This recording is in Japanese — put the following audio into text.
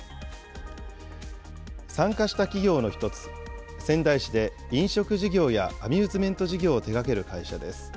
参加した企業の１つ、仙台市で飲食事業やアミューズメント事業を手掛ける会社です。